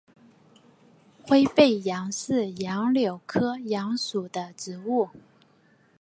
灰背杨是杨柳科杨属的植物。